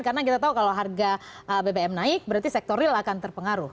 karena kita tahu kalau harga bbm naik berarti sektor real akan terpengaruh